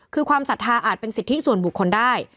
คือความศรัทธาอาจเป็นสิทธิส่วนบุคคลได้